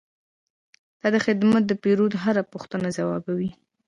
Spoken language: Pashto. دا خدمتګر د پیرود هره پوښتنه ځوابوي.